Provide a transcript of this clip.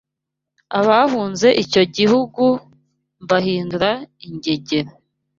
Abahunze icyo gihugu mbahindura ingegera